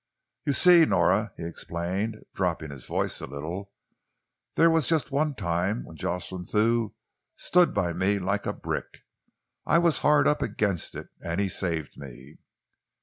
"You see, Nora," he explained, dropping his voice a little, "there was just one time when Jocelyn Thew stood by me like a brick. I was hard up against it and he saved me."